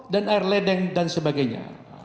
dan air ledeng dan sebagainya